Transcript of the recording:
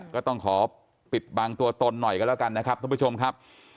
ก็ต้องขอปิดบังตัวตนหน่อยกันแล้วกันนะครับทุกผู้ชมครับ